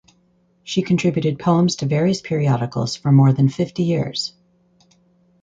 She contributed poems to various periodicals for more than fifty years.